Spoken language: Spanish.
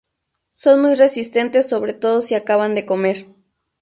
Son muy resistentes, sobre todo si acaban de comer.